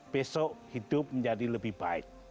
besok hidup menjadi lebih baik